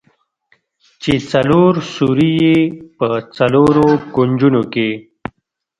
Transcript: چې څلور سوري يې په څلورو کونجونو کښې.